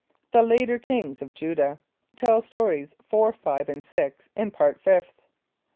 The Later Kings of Judah. (Tell Stories 4, 5 and 6 in Part Fifth.)